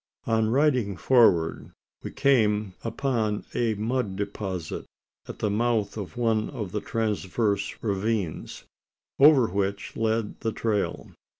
On riding forward, we came upon a mud deposit at the mouth of one of the transverse ravines over which led the trail.